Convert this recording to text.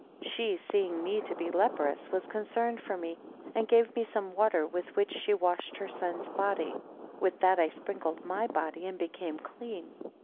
15 She seeing me to be leprous, was concerned for me, and gave me some water with which she had washed her son's body, with that I sprinkled my body, and became clean.